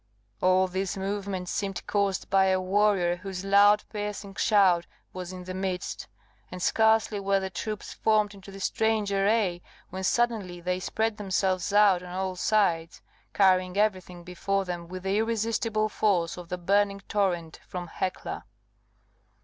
All these movements seemed caused by a warrior whose loud piercing shout was in the midst. And scarcely were the troops formed into this strange array, when suddenly they spread themselves out on all sides, carrying everything before them with the irresistible force of the burning torrent from Hecla.